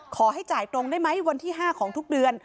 ขอให้จ่ายตรงได้ไหมวันที่๕ของทุกเดือน